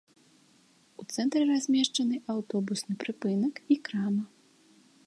У цэнтры размешчаны аўтобусны прыпынак і крама.